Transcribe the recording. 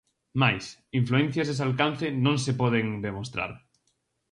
Mais, influencias dese alcance non se poden demostrar.